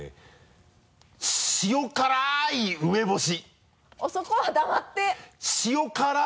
塩からい梅干し。